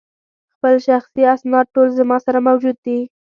خپل شخصي اسناد ټول زما سره موجود دي.